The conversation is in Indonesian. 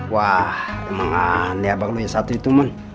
wah emang aneh bang lo yang satu itu man